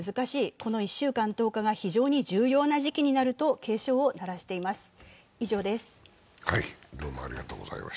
この１週間、１０日が非常に重要な時期になると警鐘を鳴らしています。